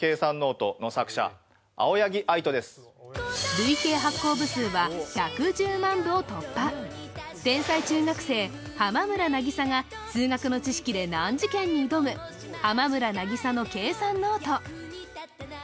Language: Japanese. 累計発行部数は１１０万部を突破天才中学生、浜村渚が数学の知識で難事件に挑む「浜村渚の計算ノート」。